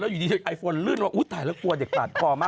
แล้วอยู่ดีไอโฟนลื่นว่าอุ๊ยตายแล้วกลัวเด็กตาดกล่อมา